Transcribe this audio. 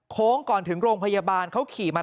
ก่อนถึงโรงพยาบาลเขาขี่มา